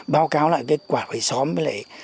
báo cáo lại cái quả hồi xóm với lại